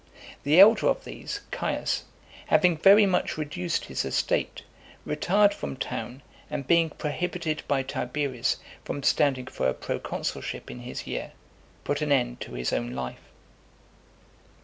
The elder of these, Caius , having very much reduced his estate, retired from town, and being prohibited by Tiberius from standing for a pro consulship in his year, put an end to his own life.